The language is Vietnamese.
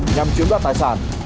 nhằm chiếm đoạt tài sản